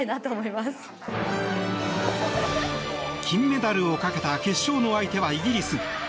金メダルをかけた決勝の相手はイギリス。